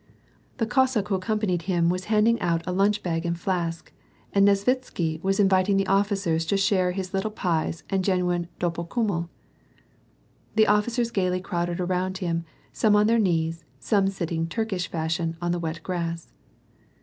The Cossack who accompanied him was handing out a lunch bag and flask, and Kesvitsky was inviting the officers to share his little pies and genuine doppel kilmmel. The officers gayly crowded around him, some on their knees, some sitting Turk ish fashion, on the wet grass.